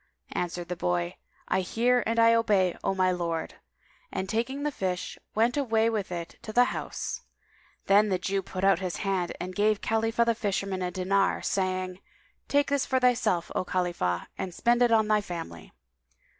Answered the boy, "I hear and I obey, O my lord" and, taking the fish, went away with it to the house. Then the Jew put out his hand and gave Khalifah the fisherman a dinar, saying, "Take this for thyself, O Khalifah, and spend it on thy family."